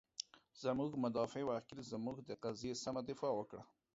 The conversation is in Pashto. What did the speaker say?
زمونږ مدافع وکیل، زمونږ د قضیې سمه دفاع وکړه.